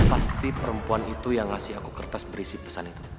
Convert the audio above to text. pasti perempuan itu yang ngasih aku kertas berisi pesan itu